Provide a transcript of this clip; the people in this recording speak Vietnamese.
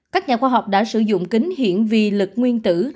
các nhà khoa học đã sử dụng kính hiện vì lực nguyên tử